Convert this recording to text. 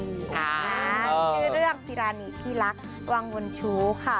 ชื่อเรื่องสิรานีที่รักกวังวนชู้ค่ะ